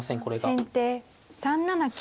先手３七金。